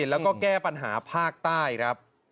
แล้วก็แก้ปัญหาภาคใต้ครับ